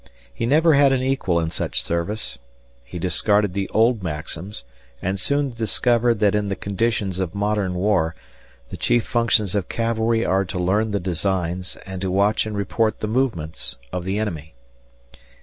He never had an equal in such service. He discarded the old maxims and soon discovered that in the conditions of modern war the chief functions of cavalry are to learn the designs and to watch and report the movements of the enemy.